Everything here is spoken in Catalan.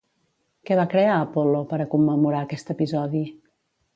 Què va crear, Apol·lo, per a commemorar aquest episodi?